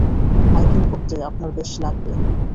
Hiking করতে আপনার বেশ লাগবে।